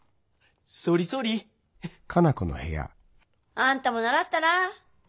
あんたも習ったら？